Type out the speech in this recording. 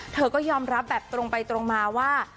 เธอก็ยอมรับแบบตรงไปตรงมาว่า